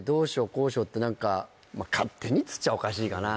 こうしようって何かまあ「勝手に」っつっちゃおかしいかな